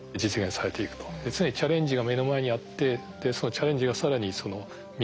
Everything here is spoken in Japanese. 常にチャレンジが目の前にあってでそのチャレンジが更に実る。